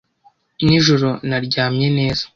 Nijoro naryamye neza.